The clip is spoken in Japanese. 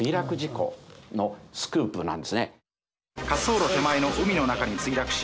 「滑走路手前の海の中に墜落し」。